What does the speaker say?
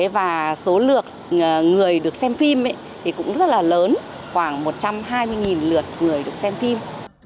và số lượng người được xem phim thì cũng rất là lớn khoảng một trăm hai mươi lượt người được xem phim